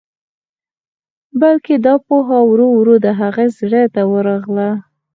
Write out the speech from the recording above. بلکې دا پوهه ورو ورو د هغه زړه ته ورغله.